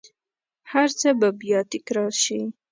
هرڅه به بیا تکرارشي